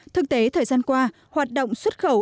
thực tế thời gian qua hoạt động xuất khẩu